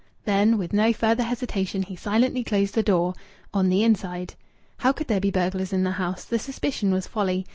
Then, with no further hesitation, he silently closed the door on the inside!... How could there be burglars in the house? The suspicion was folly.